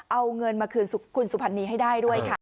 เอาเงินมาคืนคุณสุภัณฑ์นี้ให้ได้ด้วย